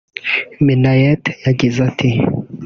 Minnaert yagize ati